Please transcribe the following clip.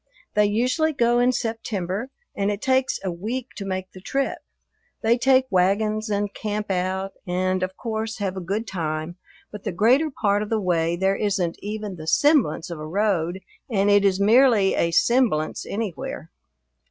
They usually go in September, and it takes a week to make the trip. They take wagons and camp out and of course have a good time, but, the greater part of the way, there isn't even the semblance of a road and it is merely a semblance anywhere.